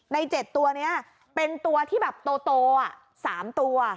ใน๗ตัวนี้เป็นตัวที่แบบโต๓ตัว